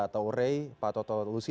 atau rei pak toto lusi